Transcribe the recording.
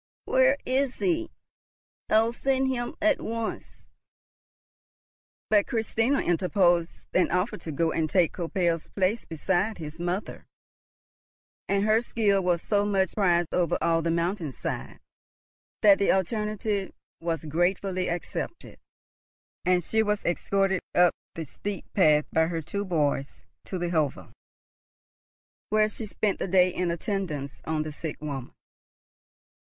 "Where is he? I'll send him at once." But Christina interposed an offer to go and take Koppel's place beside his mother, and her skill was so much prized over all the mountain side, that the alternative was gratefully accepted, and she was escorted up the steep path by her two boys to the hovel, where she spent the day in attendance on the sick woman.